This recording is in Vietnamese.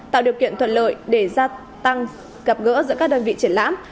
tạo điều kiện thuận lợi để gia tăng gặp gỡ giữa các đơn vị triển lãm